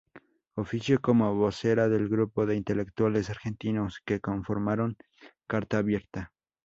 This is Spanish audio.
Ofició como vocera del grupo de intelectuales argentinos que conformaron Carta Abierta.